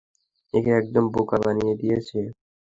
ওকে একদম বোকা বানিয়ে দিয়েছ।